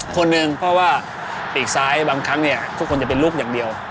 คนหนึ่งเพราะว่าปีกซ้ายบางครั้งเนี่ยทุกคนจะเป็นลูกอย่างเดียว